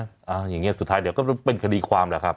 อย่างนี้สุดท้ายเดี๋ยวก็เป็นคดีความแหละครับ